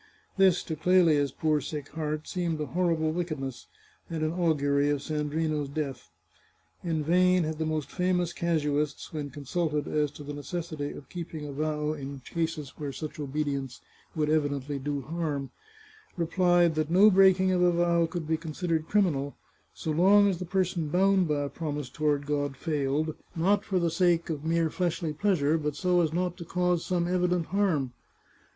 This, to Clelia's poor sick heart, seemed a horrible wickedness, and an augury of Sandrino's death. In vain had the most famous casuists, when consulted as to the necessity of keeping a vow in cases where such obedience would evi dently do harm, replied that no breaking of a vow could be considered criminal, so long as the person bound by a promise toward God failed, not for the sake of mere fleshly pleasure, but so as not to cause some evident harm.